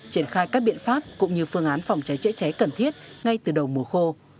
triển khai các biện pháp cũng như phương án phòng cháy chữa cháy cần thiết ngay từ đầu mùa khô